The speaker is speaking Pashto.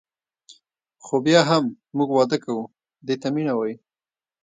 خو بیا هم موږ واده کوو دې ته مینه وايي.